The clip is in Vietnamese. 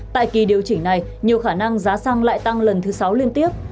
tại kỳ điều chỉnh này nhiều khả năng giá xăng lại tăng lần thứ sáu liên tiếp